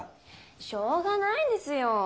しょうがないですよォ。